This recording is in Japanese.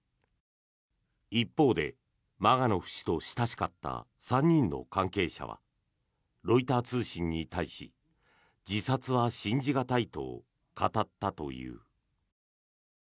一方で、マガノフ氏と親しかった３人の関係者はロイター通信に対し自殺は信じ難いと語ったという。